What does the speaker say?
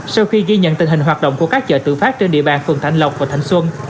sau khi ghi nhận tình hình hoạt động của các chợ tự phát trên địa bàn phường thạnh lộc và thành xuân